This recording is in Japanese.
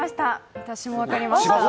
私も分かりました。